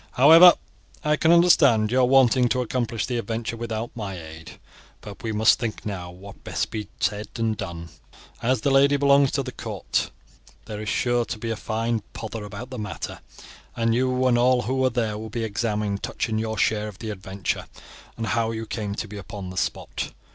However, I can understand your wanting to accomplish the adventure without my aid; but we must think now what had best be said and done. As the lady belongs to the court, there is sure to be a fine pother about the matter, and you and all who were there will be examined touching your share of the adventure, and how you came to be upon the spot.